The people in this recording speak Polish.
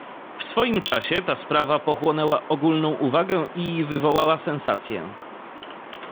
"W swoim czasie ta sprawa pochłonęła ogólną uwagę i wywołała sensację."